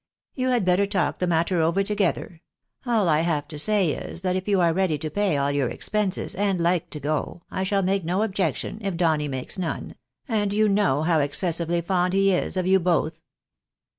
You had better talk the matter over together. All I have to say is, that if you are ready to pay all your expenses, and like to go, I shall make no objection, if Donny makes none — and you know how excessively fond he is of you both